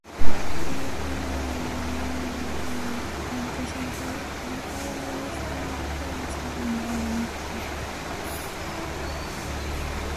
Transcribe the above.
Though Paruta is an independent thinker, Macchiavelli's influence is notable.